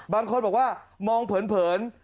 บางคนบอกว่ามองเผิน